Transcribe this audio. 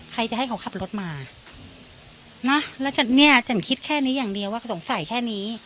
ใครจะให้เขาขับรถมานะแล้วฉันเนี่ยฉันคิดแค่นี้อย่างเดียวว่าเขาสงสัยแค่นี้